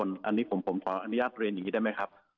แล้วก็อีก๒๖๐๐๐๐๐บาทอันนี้ก็พออนุญาตเรียนอย่างนี้ได้ไหมครับ